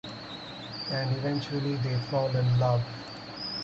And eventually they fall in love.